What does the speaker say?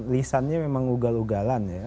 lisannya memang ugal ugalan ya